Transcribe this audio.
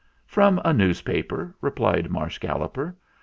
"From a newspaper," replied Marsh Gal loper.